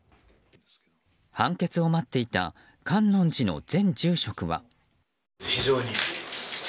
判決を待っていた観音寺の前住職は。